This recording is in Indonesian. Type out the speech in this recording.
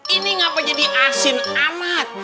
ini ngapain jadi asin amat